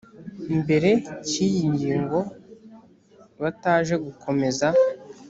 mbere cy iyi ngingo bataje gukomeza